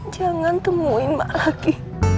jangan temuin emak lagi